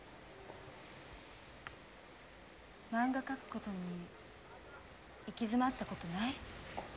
まんが描くことに行き詰まったことない？